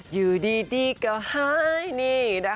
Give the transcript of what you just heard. อยู่ดีเก่าหายนี่นะคะ